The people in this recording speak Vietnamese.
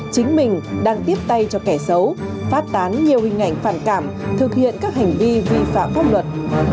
chính mình đang tiếp tay cho kẻ xấu phát tán nhiều hình ảnh phản cảm thực hiện các hành vi vi phạm pháp luật